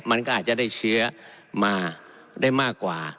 มันก็อาจจะได้เชื้อมาได้มากกว่า